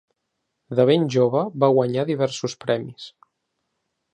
De ben jove, va guanyar diversos premis.